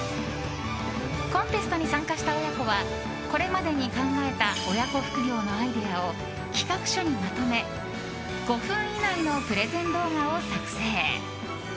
コンテストに参加した親子はこれまでに考えた親子副業のアイデアを企画書にまとめ５分以内のプレゼン動画を作成。